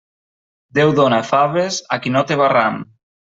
Déu dóna faves a qui no té barram.